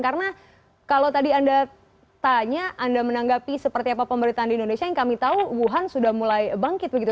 karena kalau tadi anda tanya anda menanggapi seperti apa pemberitaan di indonesia yang kami tahu wuhan sudah mulai bangkit begitu